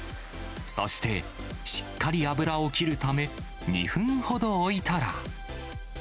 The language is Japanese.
そして、しっかり油を切るため、２分ほど置いたら。